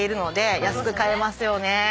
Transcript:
安く買えますよね。